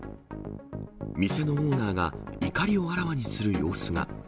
店のオーナーが怒りをあらわにする様子が。